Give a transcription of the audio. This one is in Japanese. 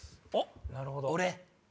なるほど。